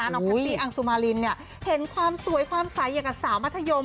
น้องกะตี้อังสุมารินเนี่ยเห็นความสวยความไซส์อย่างกับสาวมัธยม